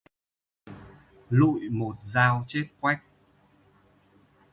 Lụi một dao chết quách